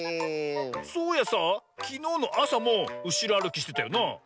そういやさあきのうのあさもうしろあるきしてたよな。